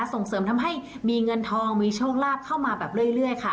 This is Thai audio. ส่งเสริมทำให้มีเงินทองมีโชคลาภเข้ามาแบบเรื่อยค่ะ